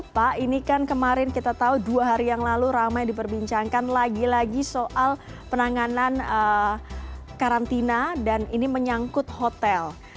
pak ini kan kemarin kita tahu dua hari yang lalu ramai diperbincangkan lagi lagi soal penanganan karantina dan ini menyangkut hotel